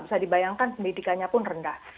bisa dibayangkan pendidikannya pun rendah